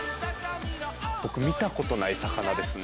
ボク見たことない魚ですね。